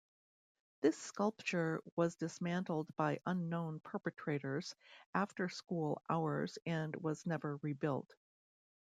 This sculpture was dismantled by unknown perpetrators after school hours and was never rebuilt.